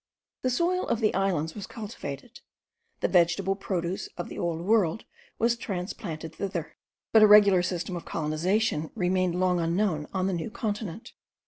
The soil of the islands was cultivated, the vegetable produce of the Old World was transplanted thither, but a regular system of colonization remained long unknown on the New Continent.